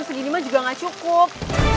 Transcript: segini mah juga nggak cukup